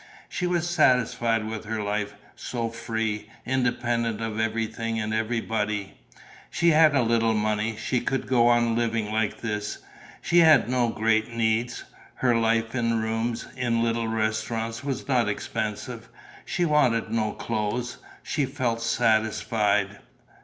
She was satisfied with her life, so free, independent of everything and everybody. She had a little money, she could go on living like this. She had no great needs. Her life in rooms, in little restaurants was not expensive. She wanted no clothes. She felt satisfied.